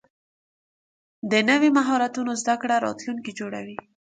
د نوي مهارتونو زده کړه راتلونکی جوړوي.